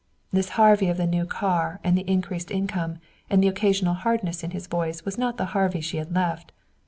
This Harvey of the new car and the increased income and the occasional hardness in his voice was not the Harvey she had left.